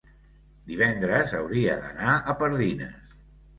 divendres hauria d'anar a Pardines.